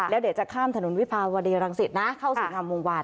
แล้วเดี๋ยวจะข้ามถนนวิพาวฎรังศิษฐ์นะเข้าศรีธรรมมงวัล